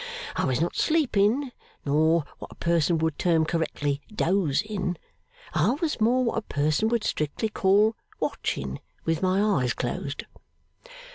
I was not sleeping, nor what a person would term correctly, dozing. I was more what a person would strictly call watching with my eyes closed.